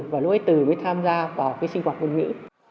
và lúc ấy từ mới tham gia vào cái sinh hoạt ngôn ngữ